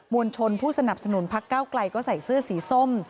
วลชนผู้สนับสนุนพักเก้าไกลก็ใส่เสื้อสีส้ม